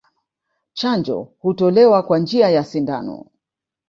Chanjo hutolewa kwa njia ya sindano